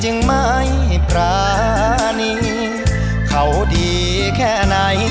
จึงไม่ปรานีเขาดีแค่ไหน